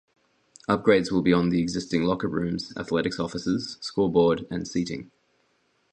Upgrades will be on the existing locker rooms, athletics offices, scoreboard, and seating.